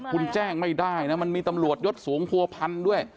คุณแจ้งไม่ได้นะมันมีตำรวจยศสูงผัวพันธุ์ด้วย